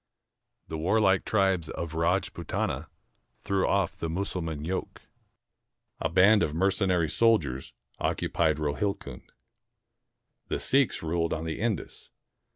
The warlike tribes of Rajpootana threw off the IVIussulman yoke. A band of mercenary soldiers occupied Rohilcund. The Seiks ruled on the Indus.